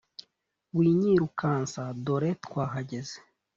Winyirukansa dore twahageze